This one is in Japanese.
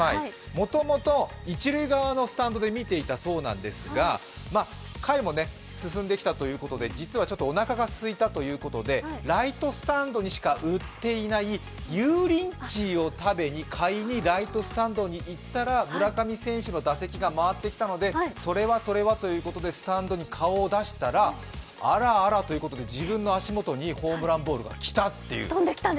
もともと一塁側のスタンドで見ていたそうなんですが彼も実はちょっとおなかがすいたということで、ライトスタンドにしか売っていない油淋鶏を食べにライトスタンドに行ったら村上選手の打席が回ってきたのでそれはそれはということで、スタンドに顔を出したら、あらあらということで、自分の足元にホームランボールが来たと。